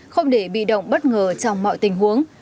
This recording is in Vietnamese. không bất ngờ trong mọi tình huống